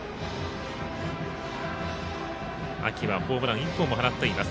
秋はホームラン１本も放っています。